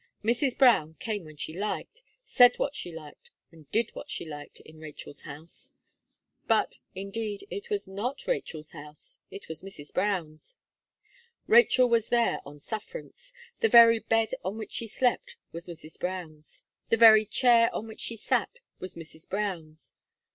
Mrs. Brown came when she liked, said what she liked, and did what she liked in Rachel's house. But, indeed, it was not Rachel's house it was Mrs. Brown's. Rachel was there on sufferance; the very bed on which she slept was Mrs. Brown's; the very chair on which she sat was Mrs. Brown's.